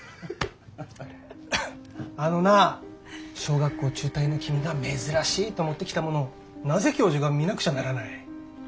あのなあ小学校中退の君が珍しいと持ってきたものをなぜ教授が見なくちゃならない？